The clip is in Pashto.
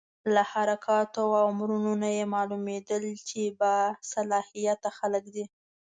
له حرکاتو او امرونو نه یې معلومېدل چې با صلاحیته خلک دي.